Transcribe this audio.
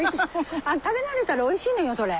食べ慣れたらおいしいのよそれ。